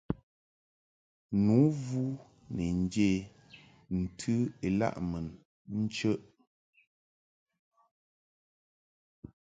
Nu vu ni nje ntɨ ilaʼ mun chəʼ.